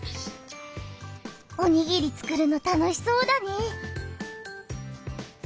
おにぎりつくるの楽しそうだね。